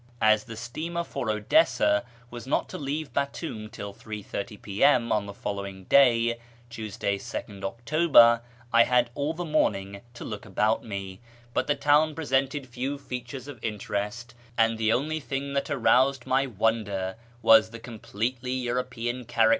As the steamer for Odessa was not to leave Batoum till 3.30 P.M. on the following day (Tuesday, 2nd October), I had all the morning to look about me, but the town presented few features of interest, and the only thing that aroused my S72 A YEAR AMONGST THE PERSIANS wonder was the completely European cli.